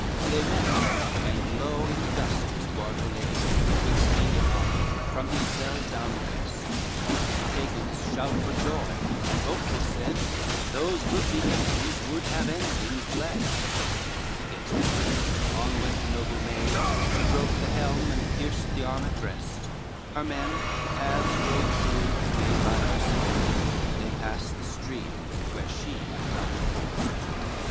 XV They met, and low in dust was Guardo laid, 'Twixt either army, from his sell down kest, The Pagans shout for joy, and hopeful said, Those good beginnings would have endings blest: Against the rest on went the noble maid, She broke the helm, and pierced the armed breast, Her men the paths rode through made by her sword, They pass the stream where she had found the ford.